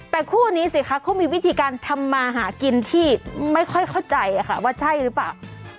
แต่คู่นี้สิคะเขามีวิธีการทำมาหากินที่ไม่ค่อยเข้าใจค่ะว่าใช่หรือเปล่า